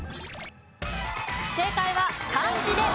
正解は漢字で夫。